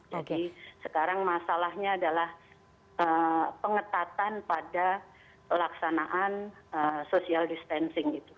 jadi sekarang masalahnya adalah pengetatan pada pelaksanaan social distancing